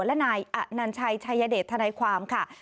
และนายอนัญชัยชัยเดชทนายความค่ะ